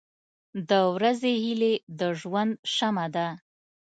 • د ورځې هیلې د ژوند شمع ده.